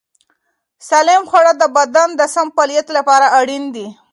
سالم خواړه د بدن د سم فعالیت لپاره اړین دي.